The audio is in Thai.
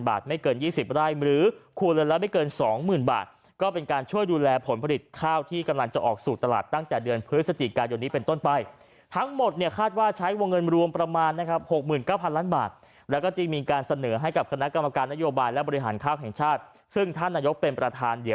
บาทไม่เกิน๒๐ไร่หรือครัวเรือนละไม่เกินสองหมื่นบาทก็เป็นการช่วยดูแลผลผลิตข้าวที่กำลังจะออกสู่ตลาดตั้งแต่เดือนพฤศจิกายนนี้เป็นต้นไปทั้งหมดเนี่ยคาดว่าใช้วงเงินรวมประมาณนะครับ๖๙๐๐ล้านบาทแล้วก็จึงมีการเสนอให้กับคณะกรรมการนโยบายและบริหารข้าวแห่งชาติซึ่งท่านนายกเป็นประธานเดี๋ยว